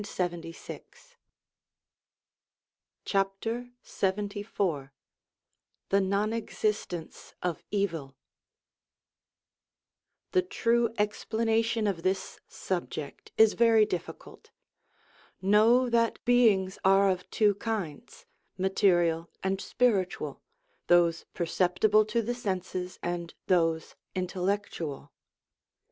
PART V MISCELLANEOUS SUBJECTS LXXIV THE NON EXISTENCE OF EVIL THE true explanation of this subject is very difficult, Know that beings are of two kinds : material and spiritual, those perceptible to the senses and those intellectual.